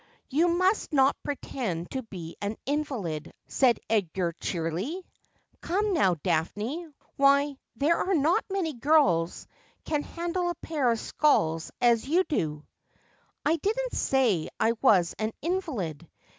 ' You must not pretend to be an invalid,' said Edgar cheerily ;' come now, Daphne : why, there are not many girls can handle a pair of sculls as you do.' ' I didn't say I was an invalid.